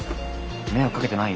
迷惑かけてない？